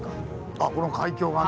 あこの海峡がね。